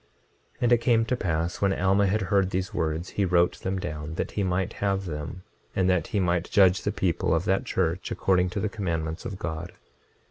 26:33 And it came to pass when Alma had heard these words he wrote them down that he might have them, and that he might judge the people of that church according to the commandments of God.